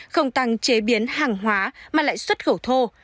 không tăng chế biến hàng hóa mà lại xuất khẩu thô